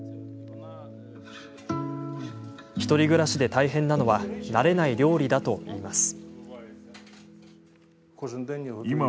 １人暮らしで大変なのは慣れない料理だといいます。